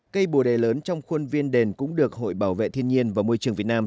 cây bồ đề lớn trong khuôn viên đền cũng được hội bảo vệ thiên nhiên và môi trường việt nam